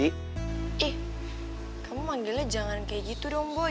ih kamu manggilnya jangan kayak gitu dong boy